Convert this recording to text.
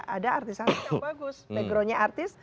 ada artis artis yang bagus background nya artis